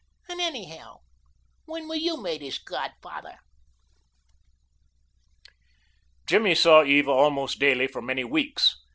"And anyhow, when were you made his godfather?" Jimmy saw Eva almost daily for many weeks.